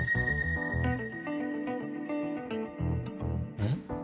うん？